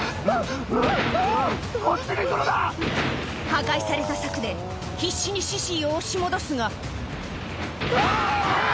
破壊された柵で必死にシシーを押し戻すがうわ！